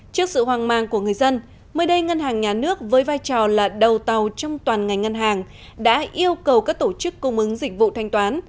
trước sự hoang mang của người dân mới đây ngân hàng nhà nước với vai trò là đầu tàu trong toàn ngành ngân hàng đã yêu cầu các tổ chức cung ứng dịch vụ thanh toán